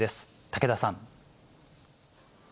武田さん。